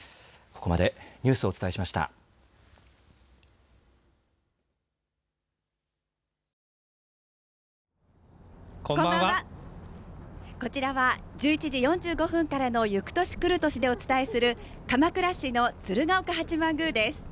こちらは１１時４５分からの「ゆく年くる年」でお伝えする鎌倉市の鶴岡八幡宮です。